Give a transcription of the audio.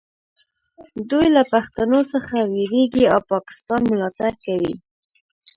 دوی له پښتنو څخه ویریږي او پاکستان ملاتړ کوي